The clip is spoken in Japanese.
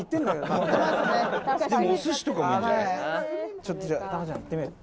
「ちょっとじゃあ玉ちゃんいってみよう！」